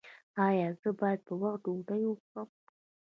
ایا زه باید په وخت ډوډۍ وخورم؟